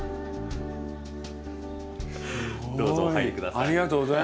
どうぞお入り下さい。